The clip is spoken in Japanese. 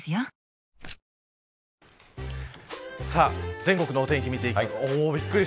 全国のお天気を見てまいります。